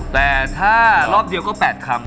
แต่ถ้ารอบเดียวก็๘คำ